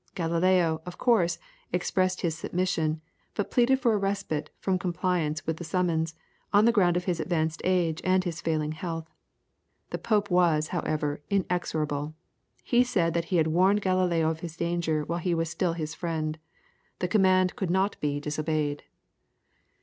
Galileo, of course, expressed his submission, but pleaded for a respite from compliance with the summons, on the ground of his advanced age and his failing health. The Pope was, however, inexorable; he said that he had warned Galileo of his danger while he was still his friend. The command could not be disobeyed.